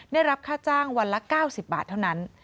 ได้รับค่าจ้างวันละ๙๐บาทเท่านั้น